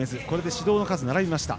指導の数が並びました。